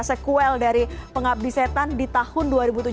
sekuel dari pengabdi setan di tahun dua ribu tujuh belas